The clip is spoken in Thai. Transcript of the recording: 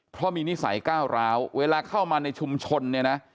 เพราะมีนิสัยก้าวร้าวเวลาเข้ามาในชุมชนเนี่ยนะ